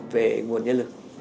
về nguồn nhân lực